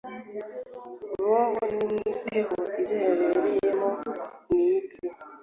bobo ni mwiteho ibyo yibereyemo nibye